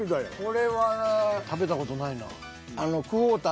これは食べた事ないな。